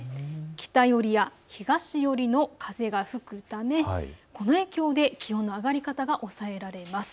北寄りや東寄りの風が吹くためこの影響で気温の上がり方が抑えられます。